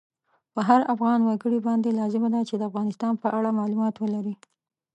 په هر افغان وګړی باندی لازمه ده چی د افغانستان په اړه مالومات ولری